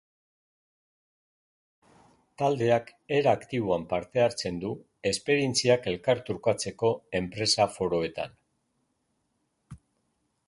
Taldeak era aktiboan parte hartzen du esperientziak elkar trukatzeko enpresa-foroetan.